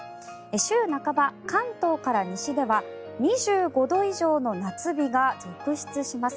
週半ば、関東から西では２５度以上の夏日が続出します。